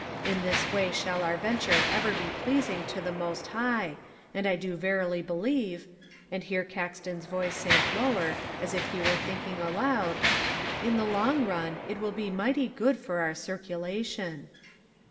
In this way shall our venture ever be pleasing to the Most High, and I do verily believe," and here Caxton's voice sank lower as if he were thinking aloud, "in the long run, it will be mighty good for our circulation."